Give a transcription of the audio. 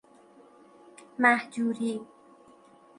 مهجوری